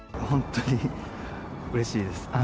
本当にうれしいです。